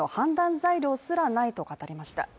材料すらないと語りました。